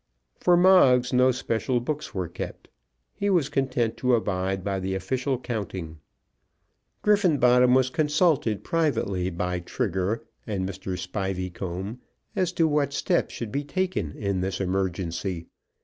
For Moggs no special books were kept. He was content to abide by the official counting. Griffenbottom was consulted privately by Trigger and Mr. Spiveycomb as to what steps should be taken in this emergency.